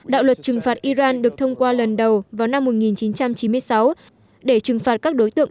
đạo luật trừng phạt iran được thông qua lần đầu vào năm một nghìn chín trăm chín mươi sáu để trừng phạt các đối tượng